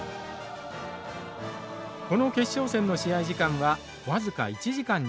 この決勝戦の試合時間は僅か１時間１２分。